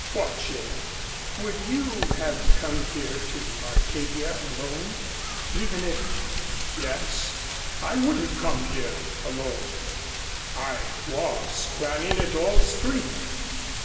"What, Jane?" "Would you have come here to Arcadia, alone, even if " "Yes. I would have come here alone. I was planning it all spring.